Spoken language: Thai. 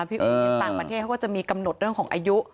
อย่างต่างประเทศเขาก็จะมีกำหนดเรื่องของอายุ